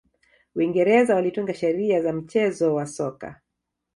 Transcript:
uingereza walitunga sheria za mchezo wa soka